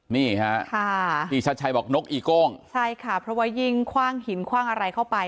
นี่ค่ะพี่ชัดชัยบอกนกอีโก้งใช่ค่ะเพราะว่ายิ่งคว่างหินคว่างอะไรเข้าไป